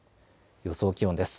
予想気温です。